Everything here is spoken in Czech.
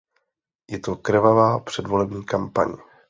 Je to krvavá předvolební kampaň.